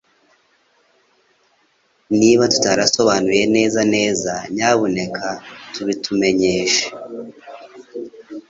Niba tutarasobanuye neza neza, nyamuneka tubitumenyeshe